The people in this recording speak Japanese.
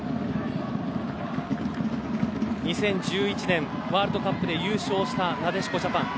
２０１１年ワールドカップで優勝したなでしこジャパン。